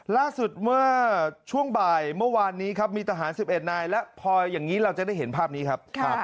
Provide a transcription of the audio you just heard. ล่าสุดเมื่อช่วงบ่ายเมื่อวานนี้ครับมีทหาร๑๑นายแล้วพออย่างนี้เราจะได้เห็นภาพนี้ครับ